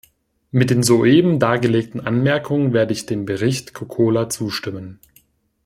Mit den soeben dargelegten Anmerkungen werde ich dem Bericht Kokkola zustimmen.